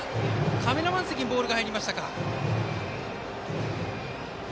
カメラマン席にボールが入ったか。